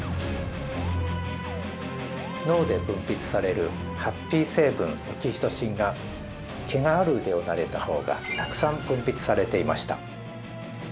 脳で分泌されるハッピー成分オキシトシンが毛がある腕をなでた方がたくさん分泌されていました。